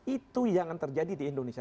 itu yang terjadi di indonesia